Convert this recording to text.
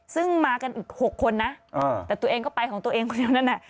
ซึ่งมากันอีก๖คนนะแต่ตัวเองก็ไปของตัวเองคนเดียวนั่นแหละ